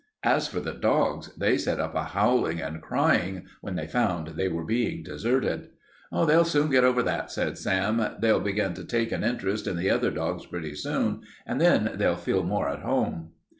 As for the dogs, they set up a howling and crying, when they found they were being deserted. "They'll soon get over that," said Sam. "They'll begin to take an interest in the other dogs pretty soon, and then they'll feel more at home."